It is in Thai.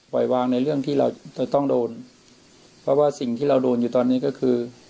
วางในเรื่องที่เราจะต้องโดนเพราะว่าสิ่งที่เราโดนอยู่ตอนนี้ก็คือ